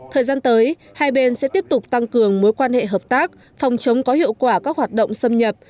thời gian tới hai bên sẽ tiếp tục tăng cường mối quan hệ hợp tác phòng chống có hiệu quả các hoạt động xâm nhập